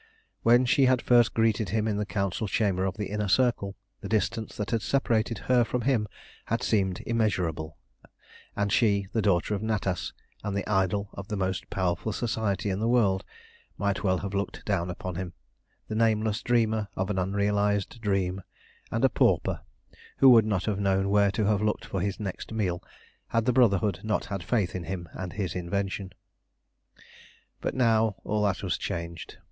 When she had first greeted him in the Council chamber of the Inner Circle, the distance that had separated her from him had seemed immeasurable, and she the daughter of Natas and the idol of the most powerful society in the world might well have looked down upon him the nameless dreamer of an unrealised dream, and a pauper, who would not have known where to have looked for his next meal, had the Brotherhood not had faith in him and his invention. But now all that was changed.